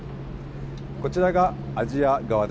こちらがアジア側です。